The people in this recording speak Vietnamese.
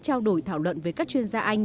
trao đổi thảo luận với các chuyên gia anh